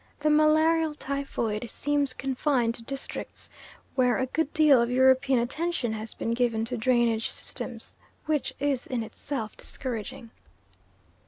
The malarial typhoid seems confined to districts where a good deal of European attention has been given to drainage systems, which is in itself discouraging.